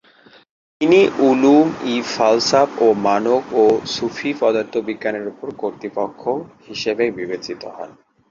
তিনি উলুম-ই-ফালসাফ ও মানক ও সুফি পদার্থবিজ্ঞানের উপর কর্তৃপক্ষ হিসাবে বিবেচিত হন।